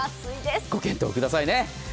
ご検討くださいね。